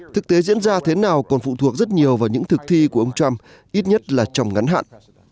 thực tế diễn ra thế nào còn phụ thuộc rất nhiều vào những thực thi của ông trump ít nhất là trong ngắn hạn